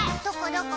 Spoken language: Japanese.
どこ？